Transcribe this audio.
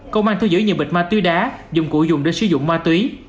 công an thu giữ nhiều bịch ma túy đá dụng cụ dùng để sử dụng ma túy